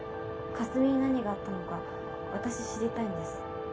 かすみに何があったのか私知りたいんです。